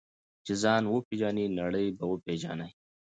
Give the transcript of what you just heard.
چې ځان وپېژنې، نړۍ به وپېژنې.